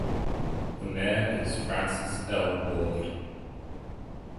The mayor is Frances L. Ward.